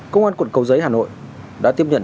công an quận cầu giấy hà nội đã tiếp nhận